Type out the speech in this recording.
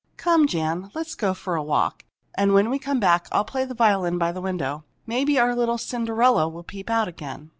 Come, Jan, let's go for a walk, and when we come back I'll play on the violin by the window. Maybe our little Cinderella will peep out again!"